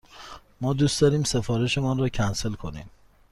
ما دوست داریم سفارش مان را کنسل کنیم.